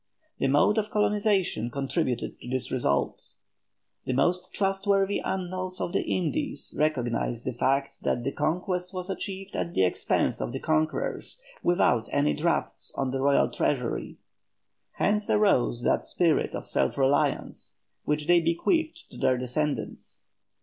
The mode of colonization contributed to this result. The most trustworthy annals of the Indies recognise the fact that the conquest was achieved at the expense of the conquerors, without any drafts on the royal treasury. Hence arose that spirit of self reliance which they bequeathed to their descendants.